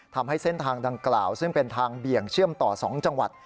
ทำให้เส้นทางดังกล่าวซึ่งเป็นทางเบี่ยงเชื่อมต่อ๒จังหวัด